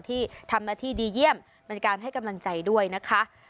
ที่ทำหน้าที่ดีเยี่ยมเป็นการให้กำลังใจด้วยนะคะ